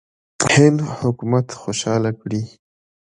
هند حکومت خوشاله کړي.